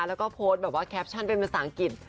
แล้วก็โพสต์แบบว่าแคปชั่นเป็นภาษาอังกฤษ